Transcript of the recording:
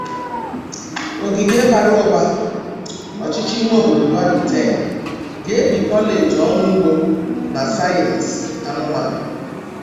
Ogige Baruba (ọchịchị ime obodo Baruten) ga-ebi kọleji ọrụ ugbo na sayensị anụmanụ.